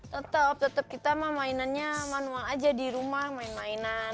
tetap tetap kita mah mainannya manual aja di rumah main mainan